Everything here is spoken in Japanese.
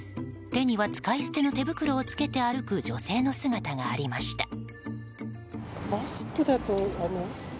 手には使い捨ての手袋を着けて歩く女性の姿がありました。